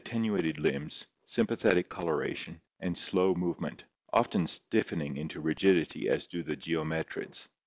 tenuated limbs, sympathetic colora tion, and slow movement, often stiffening into rigidity as do the geometrids.